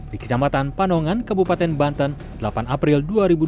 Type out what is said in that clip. di kecamatan pandongan kebupaten banten delapan april dua ribu dua puluh tiga